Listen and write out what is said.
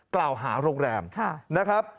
กล่าวหาโรงแรมนะครับ